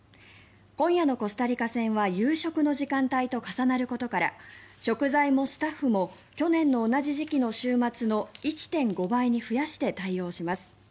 今夜のコスタリカ戦は夕食の時間帯と重なることから食材もスタッフも去年の同じ時期の週末の１．５倍に増やして対応します。